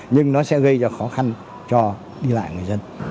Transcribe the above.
nhưng nó sẽ gây ra khó khăn cho đi lại người dân